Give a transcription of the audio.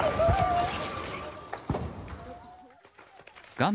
画面